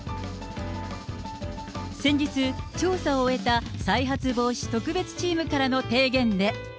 先日、調査を終えた再発防止特別チームからの提言で。